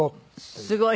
すごい。